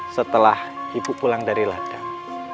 setelah ibu pulang dari ladang